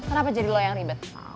kenapa jadi lo yang ribet